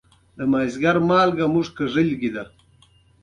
باز د تېزو سترګو خاوند دی